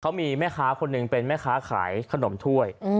เขามีแม่ค้าคนหนึ่งเป็นแม่ค้าขายขนมถ้วย